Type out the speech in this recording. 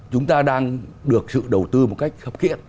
chúng ta đang được sự đầu tư một cách khập kiện